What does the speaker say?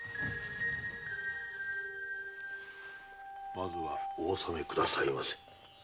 まずはお納めくださいませ。